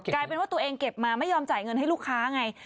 กลายเป็นว่าตัวเองเก็บมาไม่ยอมจ่ายเงินให้ลูกค้าไง